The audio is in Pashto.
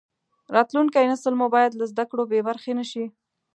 راتلونکی نسل مو باید له زده کړو بې برخې نشي.